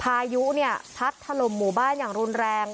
พายุเนี่ยพัดถล่มหมู่บ้านอย่างรุนแรง